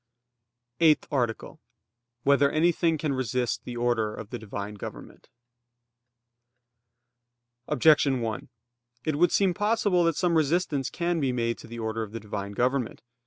_______________________ EIGHTH ARTICLE [I, Q. 103, Art. 8] Whether anything can resist the order of the Divine government? Objection 1: It would seem possible that some resistance can be made to the order of the Divine government.